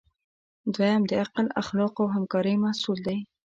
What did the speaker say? دوام د عقل، اخلاقو او همکارۍ محصول دی.